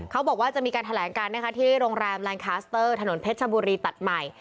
เขาบอกว่าจะมีการแถลงกันนะคะที่โรงแรมแลนดคัสเตอร์ถนนเพชรชบุรีตัดใหม่